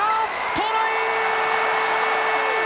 トライ！